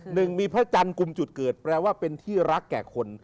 หนึ่งมีพระจันทร์กลุ่มจุดเกิดแปลว่าเป็นที่รักแก่คน